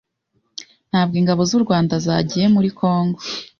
Ntabwo ingabo z’u Rwanda zagiye muri Congo